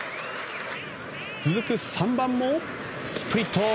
続く３番もスプリット。